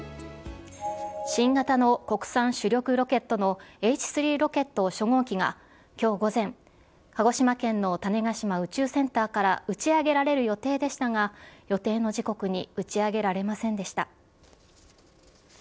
新型の国産主力ロケットのＨ３ロケット初号機が今日午前、鹿児島県の種子島宇宙センターから打ち上げられる予定でしたが予定の時刻に打ち上げられませんでした。